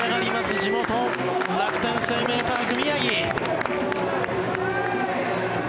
地元・楽天生命パーク宮城。